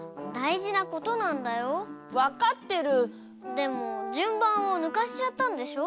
でもじゅんばんをぬかしちゃったんでしょ？